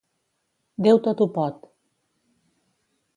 Déu tot ho pot.